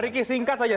mariki singkat saja